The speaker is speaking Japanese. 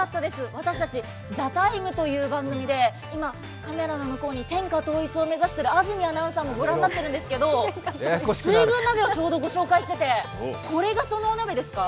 私たち「ＴＨＥＴＩＭＥ，」という番組で今、カメラの向こうに天下統一を目指している安住アナウンサーがご覧になってるんですけど水軍鍋をちょうどご紹介していて、これがそのお鍋ですか？